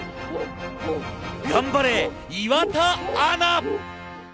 頑張れ岩田アナ！